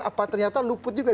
apa ternyata luput juga